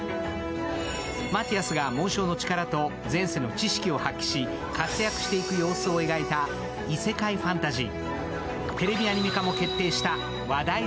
マティアスが紋章の力と前世の知識を発揮し活躍していく様子を描いた異世界ファンタジー。